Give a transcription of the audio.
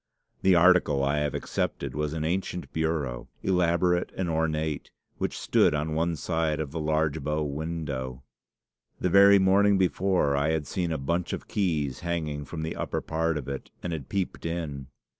The article I have excepted was an ancient bureau, elaborate and ornate, which stood on one side of the large bow window. The very morning before, I had seen a bunch of keys hanging from the upper part of it, and had peeped in.